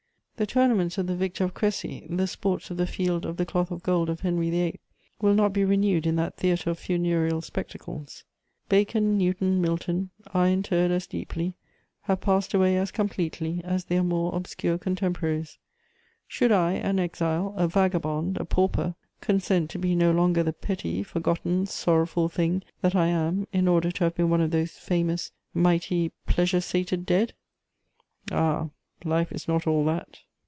The tournaments of the victor of Crecy, the sports of the Field of the Cloth of Gold of Henry VIII. will not be renewed in that theatre of funereal spectacles. Bacon, Newton, Milton are interred as deeply, have passed away as completely, as their more obscure contemporaries. Should I, an exile, a vagabond, a pauper, consent to be no longer the petty, forgotten, sorrowful thing that I am in order to have been one of those famous, mighty, pleasure sated dead? Ah, life is not all that!